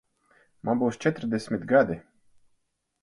Man būs četrdesmit gadi.